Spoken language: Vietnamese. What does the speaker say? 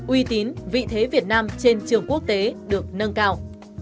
uy tín vị thế việt nam trên trường quốc tế được nâng cao